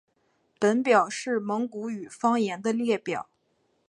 本表是蒙古语方言的列表。